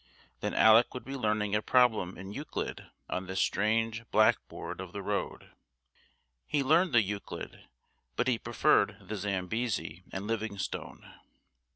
Then Alec would be learning a problem in Euclid on this strange "blackboard" of the road. He learned the Euclid but he preferred the Zambesi and Livingstone!